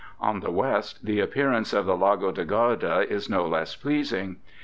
... On the west the appearance of the Lago di Garda is no less pleasing.